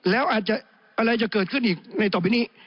แล้วอาจจะอะไรจะเกิดขึ้นอีกในต่อไปนี้